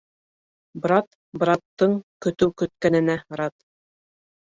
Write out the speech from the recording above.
Брат браттың көтөү көткәненә рад.